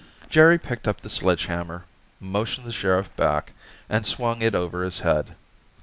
Jerry picked up the sledgehammer, motioned the sheriff back, and swung it over his head.